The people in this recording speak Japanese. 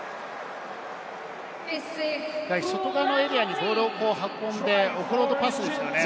外側のエリアにボールを運んで、オフロードパスですよね。